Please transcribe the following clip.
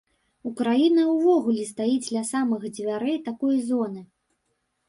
Украіна ўвогуле стаіць ля самых дзвярэй такой зоны.